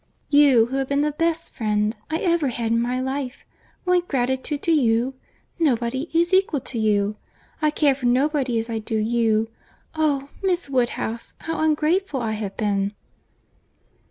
"You, who have been the best friend I ever had in my life—Want gratitude to you!—Nobody is equal to you!—I care for nobody as I do for you!—Oh! Miss Woodhouse, how ungrateful I have been!"